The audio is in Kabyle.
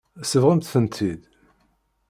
Tsebɣemt-tent-id.